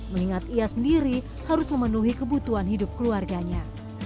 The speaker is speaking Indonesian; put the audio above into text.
mengingat ia sendiri harus memenuhi kebutuhan hidup keluarganya